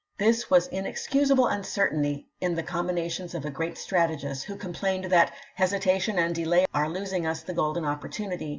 This was inexcusable uncertainty in the combinations of a great strategist, who complained that "hesitation and delay are losing us the golden opportunity."